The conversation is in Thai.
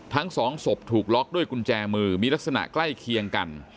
ทั้งสองศพถูกล็อกด้วยกุญแจมือมีลักษณะใกล้เคียงกัน